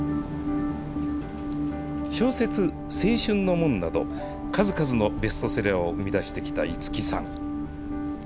小説、青春の門など、数々のベストセラーを生み出してきた五木さん。